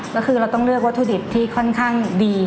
แล้วคือเราต้องเลือกวัตถุดิบที่ค่อนข้างดี